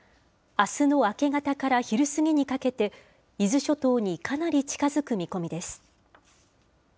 あすの明け方から昼過ぎにかけて、伊豆諸島にかなり近づく見込みです。